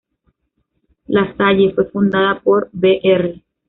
La Salle fue fundada por Br.